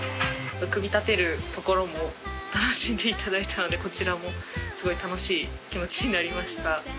組み立てるところも楽しんでいただいたのでこちらもすごい楽しい気持ちになりました。